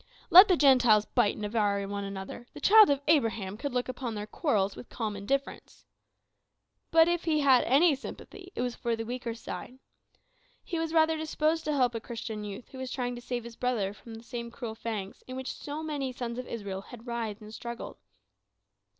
Let the Gentiles bite and devour one another, the child of Abraham could look upon their quarrels with calm indifference. But if he had any sympathy, it was for the weaker side. He was rather disposed to help a Christian youth who was trying to save his brother from the same cruel fangs in which so many sons of Israel had writhed and struggled.